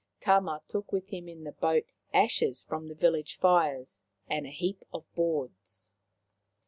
Tama took with him in the boat ashes from the village fires and a heap of boards.